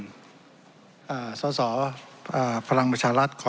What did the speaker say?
ก็ได้การคำขำสรุปการณ์ของเทชาประเภท